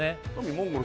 「モンゴル」